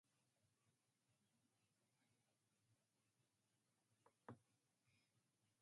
The building houses the Department of Economy and Business of the University of Catania.